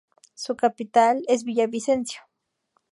Su capital es Villavicencio.